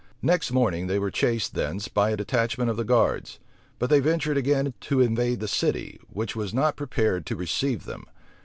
Next morning, they were chased thence by a detachment of the guards; but they ventured again to invade the city, which was not prepared to receive them.